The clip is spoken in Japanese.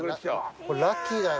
これラッキーだよ。